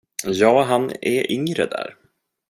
Ja, han är yngre där.